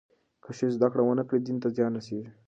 که ښځې زدهکړه ونه کړي، دین ته زیان رسېږي.